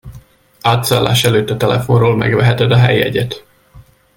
Átszállás előtt a telefonról megveheted a helyjegyet.